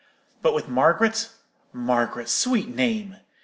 But with Margaret—Margaret,—sweet name!